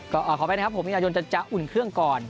ก็ขอไปนะครับ๖มิถุนายนจะอุ่นเครื่องก่อน